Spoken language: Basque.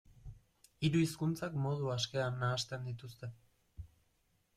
Hiru hizkuntzak modu askean nahasten dituzte.